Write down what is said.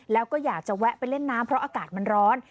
แล้วก็อยากจะแวะไปเล่นน้ำเพราะอากาศมันร้อน